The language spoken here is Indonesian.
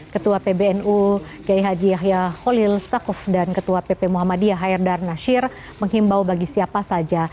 ketua pbnu jaihaji yahya khalil stakof dan ketua pp muhammadiyah hayardar nasir menghimbau bagi siapa saja